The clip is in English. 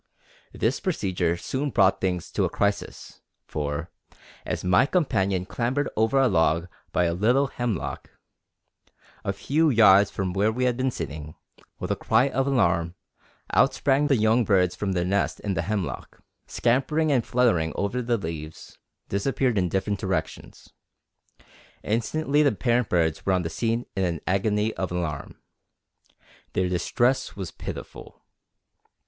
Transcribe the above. This procedure soon brought things to a crisis, for, as my companion clambered over a log by a little hemlock, a few yards from where we had been sitting, with a cry of alarm out sprang the young birds from their nest in the hemlock, and, scampering and fluttering over the leaves, disappeared in different directions. Instantly the parent birds were on the scene in an agony of alarm. Their distress was pitiful.